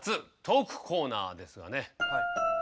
トークコーナーですがね。